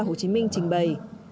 hồ chí minh trình bày